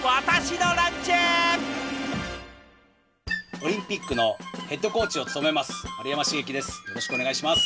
オリンピックのヘッドコーチを務めます丸山茂樹です